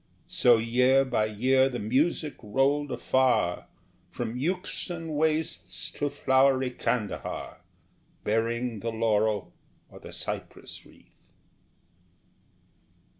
So year by year the music rolled afar, From Euxine wastes to flowery Kandahar, Bearing the laurel or the cypress wreath.